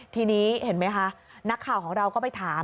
ทีนี้เห็นไหมคะนักข่าวของเราก็ไปถาม